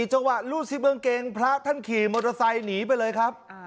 จังหวะรูดซิบกางเกงพระท่านขี่มอเตอร์ไซค์หนีไปเลยครับ